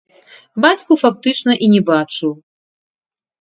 Бацьку фактычна і не бачыў.